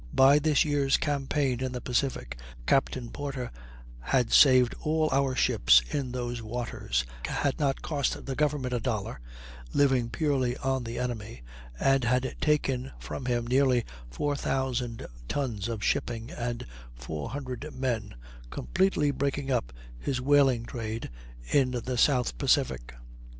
By this year's campaign in the Pacific, Captain Porter had saved all our ships in those waters, had not cost the government a dollar, living purely on the enemy, and had taken from him nearly 4,000 tons of shipping and 400 men, completely breaking up his whaling trade in the South Pacific.